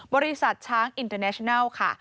บริษัทช้างอินเตอร์เนชนัลค่ะ